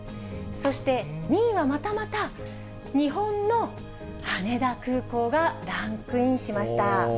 そして２位はまたまた、日本の羽田空港がランクインしました。